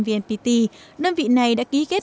vnpt đơn vị này đã ký kết